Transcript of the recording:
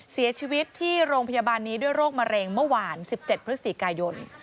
เสียชีวิตที่โรงพยาบาลนี้ด้วยโรคมะเร็งเมื่อวาน๑๗พฤศจิกายน